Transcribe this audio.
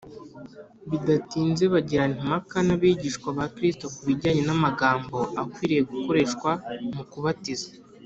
. Bidatinze bagirana impaka n’abigishwa ba Kristo ku bijyanye n’amagambo akwiriye gukoreshwa mu kubatiza,